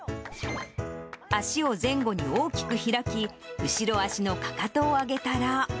足を前後に大きく開き、後ろ足のかかとを上げたら。